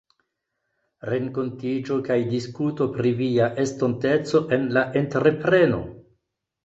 rekontiĝo kaj diskuto pri via estonteco en la entrepreno.